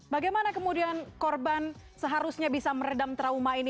bagaimana kemudian korban seharusnya bisa meredam trauma ini